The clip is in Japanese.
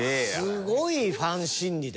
すごいファン心理だよね。